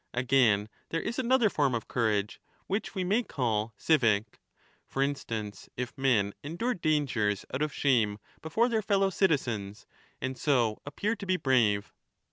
Again, there is another form of courage, which we may 5 call civic ; for instance, if men endure dangers out of shame before their fellow citizens, and so appear to be brave.